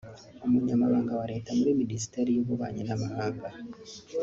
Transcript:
Umunyamabanga wa Leta muri Minisiteri y’Ububanyi n’Amahanga